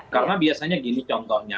karena biasanya gini contohnya